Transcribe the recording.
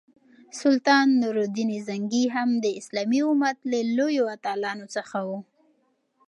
سلطان نور الدین زنګي هم د اسلامي امت له لویو اتلانو څخه وو.